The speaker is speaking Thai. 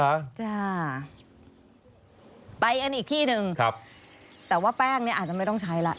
ไปอันนี้อีกที่นึงแต่ว่าแป้งเนี่ยอาจจะไม่ต้องใช้แล้ว